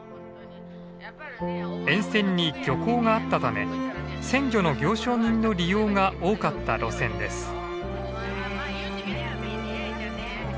沿線に漁港があったため鮮魚の行商人の利用が多かった路線です。